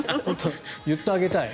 言ってあげたい。